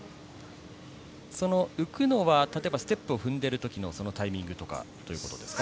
浮くのは例えばステップを踏んでいる時のタイミングとかですか？